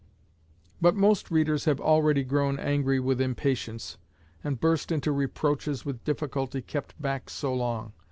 But most readers have already grown angry with impatience, and burst into reproaches with difficulty kept back so long.